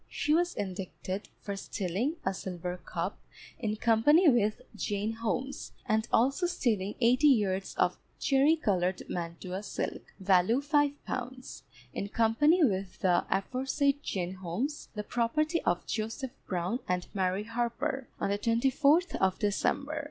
She was indicted for stealing a silver cup, in company with Jane Holmes, and also stealing eighty yards of cherry coloured mantua silk, value five pounds, in company with the aforesaid Jane Holmes, the property of Joseph Brown and Mary Harper, on the 24th of December.